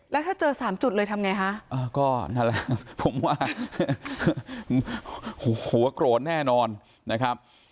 แล้วถ้าเจอสามจุดเลยทำไงฮะก็นั่นแหละผมว่าโอ้โหโกรธแน่นอนนะครับ